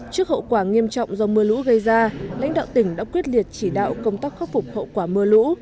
trước hậu quả nghiêm trọng do mưa lũ gây ra lãnh đạo tỉnh đã quyết liệt chỉ đạo công tác khắc phục hậu quả mưa lũ